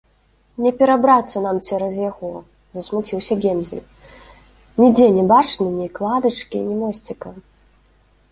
- Не перабрацца нам цераз яго, - засмуціўся Гензель, - нідзе не бачна ні кладачкі, ні мосціка